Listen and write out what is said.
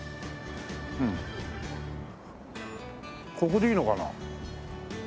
ここでいいのかな？